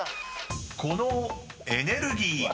［このエネルギー］